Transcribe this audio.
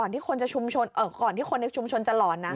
แต่ก่อนที่คนในชุมชนจะหลอน